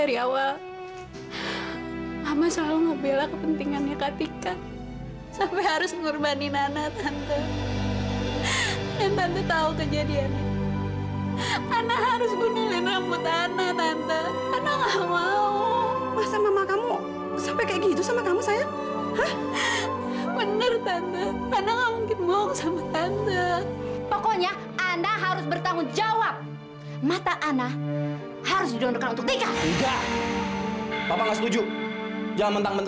ingat ya mbak